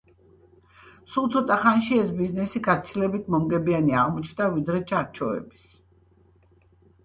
სულ ცოტა ხანში ეს ბიზნესი გაცილებით მომგებიანი აღმოჩნდა, ვიდრე ჩარჩოების.